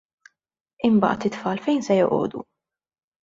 Imbagħad it-tfal fejn se joqogħdu?